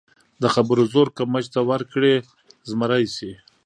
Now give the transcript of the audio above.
د خبرو زور که مچ ته ورکړې، زمری شي.